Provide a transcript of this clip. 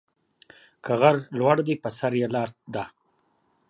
که غر لوړ دى، په سر يې لار ده.